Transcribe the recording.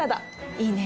いいね。